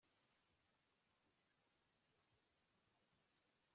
nyina azashaka umuhungu we;